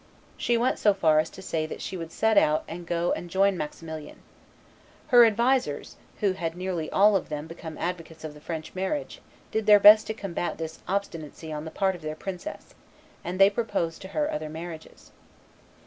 She went so far as to say that she would set out and go and join Maximilian. Her advisers, who had nearly all of them become advocates of the French marriage, did their best to combat this obstinacy on the part of their princess, and they proposed to her other marriages.